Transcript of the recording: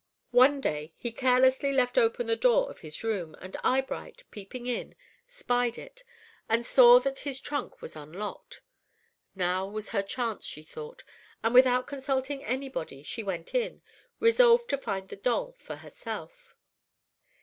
One day, he carelessly left open the door of his room and Eyebright, peeping in, spied it, and saw that his trunk was unlocked. Now was her chance, she thought, and, without consulting anybody, she went in, resolved to find the doll for herself.